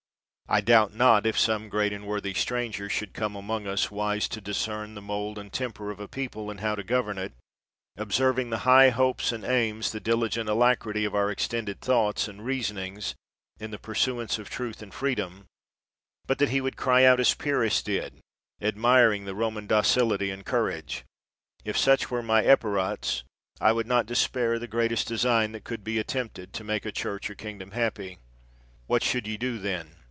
I doubt not, if some great and worthy stranger should come among us, wise to discern the mold and temper of a people, and how to govern it, observing the high hopes and aims, the diligent alacrity of 110 MILTON our extended thoughts and reasonings in the pursuance of truth and freedom, but that he would cry out as Pyrrhus did, admiring the Koman docility and courage: If such were my Epirots, I would not despair the greatest design that could be attempted, to make a Church or kingdom happy. What should ye do then?